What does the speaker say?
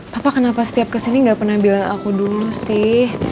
papa kenapa setiap kesini gak pernah bilang aku dulu sih